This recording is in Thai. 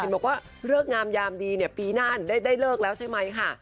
บอกว่าเลิกงามยามดีเนี่ยปีหน้าได้เลิกแล้วใช่ไหมค่ะ